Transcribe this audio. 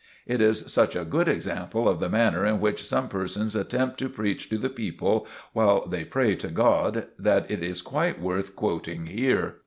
It is such a good example of the manner in which some persons attempt to preach to the people while they pray to God, that it is quite worth quoting here.